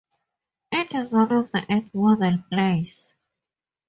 It is one of the Eight model plays.